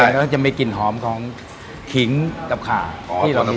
มันจะมีกลิ่นหอมของขีงกับขาอ๋ออ๋อหลังกิน